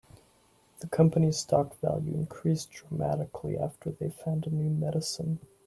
The company's stock value increased dramatically after they found a new medicine.